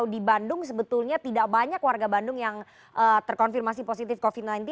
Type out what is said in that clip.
di bandung sebetulnya tidak banyak warga bandung yang terkonfirmasi positif covid sembilan belas